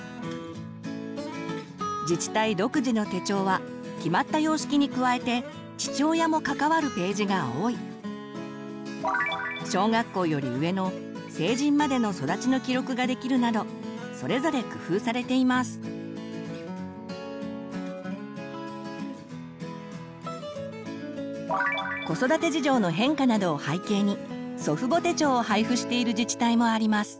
自治体独自の手帳は決まった様式に加えて父親も関わるページが多い小学校より上の成人までの育ちの記録ができるなど子育て事情の変化などを背景に「祖父母手帳」を配布している自治体もあります。